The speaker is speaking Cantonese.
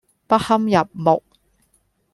不堪入目